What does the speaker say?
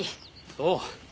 そう。